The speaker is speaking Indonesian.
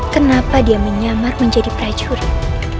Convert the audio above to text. kenapa dia menyamar menjadi prajurit